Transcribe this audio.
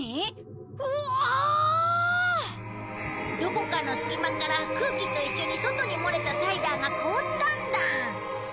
どこかの隙間から空気と一緒に外に漏れたサイダーが凍ったんだ。